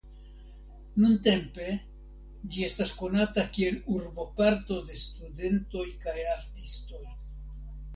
Nuntempe ĝi estas konata kiel urboparto de studentoj kaj artistoj.